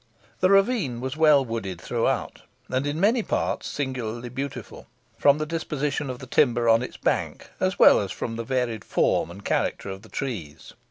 The ravine was well wooded throughout, and in many parts singularly beautiful, from the disposition of the timber on its banks, as well as from the varied form and character of the trees.